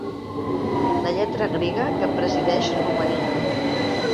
La lletra grega que presideix Romania.